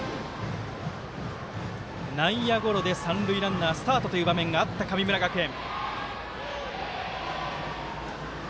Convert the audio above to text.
内野ゴロで三塁ランナースタートという場面があった神村学園。